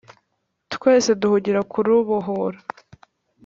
twese duhugira kurubohora